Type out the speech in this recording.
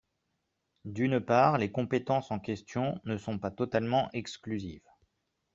D’une part, les compétences en question ne sont pas totalement exclusives.